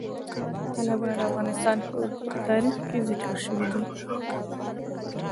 تالابونه د افغانستان په اوږده تاریخ کې ذکر شوی دی.